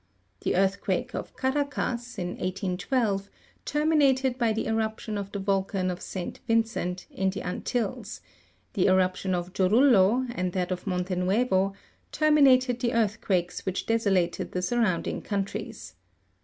The earthquake of Caraccas, in 1812, terminated by the eruption of the volean of Saint Vincent, in the Antilles ; the eruption of Jorvllo, and that of Montc Nuevo, terminated the earthquakes which desolated the surrounding countries.